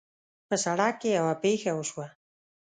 په سړک کې یوه پېښه وشوه